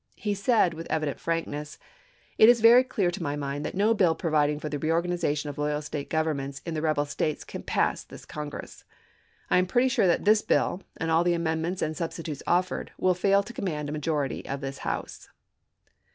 He said, with evident frankness: "It is very clear to my mind that no bill providing for the reorganization of loyal State governments in the Rebel States can pass this Congress. I am pretty sure that this bill, and all the amendments "Giobe," and substitutes offered, will fail to command a 1865^ i». %9. majority of this House."